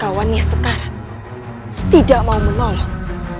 kawannya sekarang tidak mau menolong